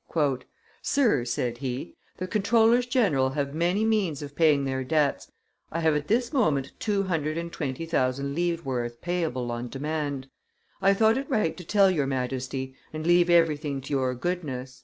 "Sir," said he, "the comptrollers general have many means of paying their debts: I have at this moment two hundred and twenty thousand livres' worth payable on demand; I thought it right to tell your Majesty, and leave everything to your goodness."